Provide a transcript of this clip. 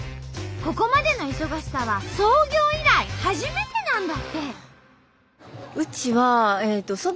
ここまでの忙しさは創業以来初めてなんだって。